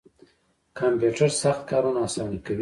کمپیوټر سخت کارونه اسانه کوي